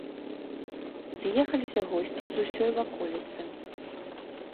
З'ехаліся госці з усёй ваколіцы.